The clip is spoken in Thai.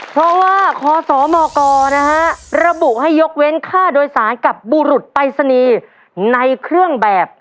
เพราะว่าคศมกนะฮะระบุให้ยกเว้นค่าโดยสารกับบุรุษปรายศนีย์ในเครื่องแบบ